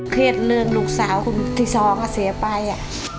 เครียดเรื่องลูกสาวคนที่สองอ่ะเสียไป